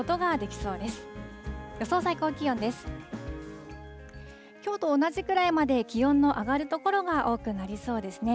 きょうと同じぐらいまで気温の上がる所が多くなりそうですね。